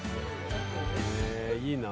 えいいな。